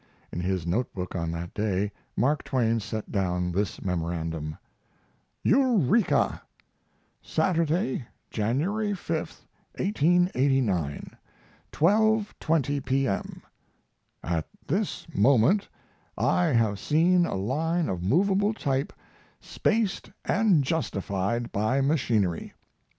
In his notebook on that day Mark Twain set down this memorandum: EUREKA! Saturday, January 5, 1889 12.20 P.M. At this moment I have seen a line of movable type spaced and justified by machinery!